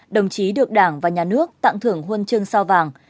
đồng chí được đảng và nhà nước tặng thưởng huân chương sao vàng